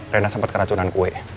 rena sempet keracunan kue